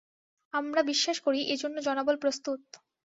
আমরা বিশ্বাস করি, এজন্য জনবল প্রস্তুত।